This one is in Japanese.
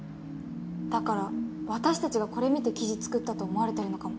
だから私たちがこれ見て記事作ったと思われてるのかも。